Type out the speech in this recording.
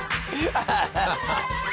アハハハッ！